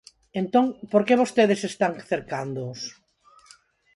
Entón, ¿por que vostedes están cercándoos?